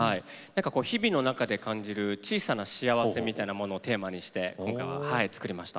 日々の中で感じる小さな幸せをテーマにして今回は作りました。